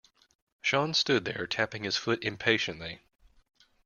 Sean stood there tapping his foot impatiently.